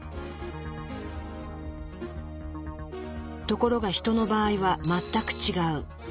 ところがヒトの場合は全く違う。